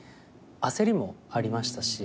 焦りもありましたし。